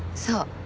そう。